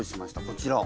こちら。